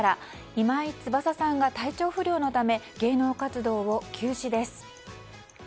今井翼さんが体調不良のため芸能活動を休止です。